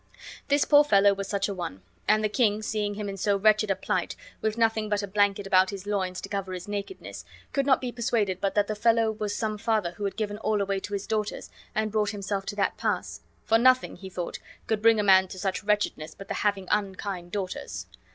This poor fellow was such a one; and the king, seeing him in so wretched a plight, with nothing but a blanket about his loins to cover his nakedness, could not be persuaded but that the fellow was some father who had given all away to his daughters and brought himself to that pass; for nothing, he thought, could bring a man to such wretchedness but the having unkind daughters.